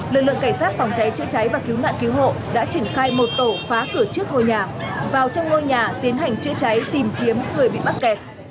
lực lượng cảnh sát phòng cháy chữa cháy và cứu nạn cứu hộ đã triển khai một tổ phá cửa trước ngôi nhà vào trong ngôi nhà tiến hành chữa cháy tìm kiếm người bị mắc kẹt